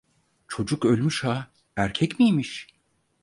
Çocuk ölmüş ha! Erkek miymiş?